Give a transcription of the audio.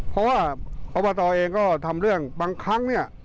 เพราะว่าอบตเองก็ทำเรื่องบางครั้งเนี่ย